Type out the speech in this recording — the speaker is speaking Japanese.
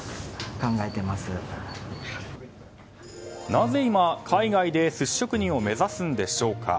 なぜ今、海外で寿司職人を目指すんでしょうか。